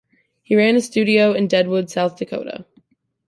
He ran a studio in Deadwood, South Dakota.